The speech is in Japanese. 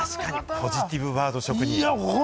ポジティブワード職人。